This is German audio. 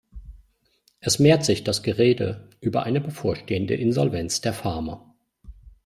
Es mehrt sich das Gerede über eine bevorstehende Insolvenz der Farmer.